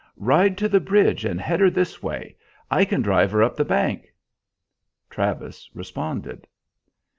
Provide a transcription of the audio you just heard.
"Ride to the bridge and head her this way. I can drive her up the bank," Travis responded.